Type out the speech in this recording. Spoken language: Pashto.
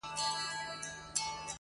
له انګلیسي ترجمې څخه-